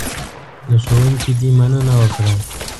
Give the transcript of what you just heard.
له ښوونکي دې مننه وکړه .